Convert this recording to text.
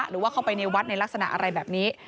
หรือว่าเข้าไปในวัดในลักษณะอะไรแบบนี้